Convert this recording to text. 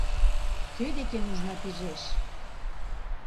Кӧ деке нужна пижеш?